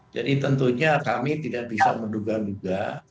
jadi tentunya kami tidak bisa menduga duga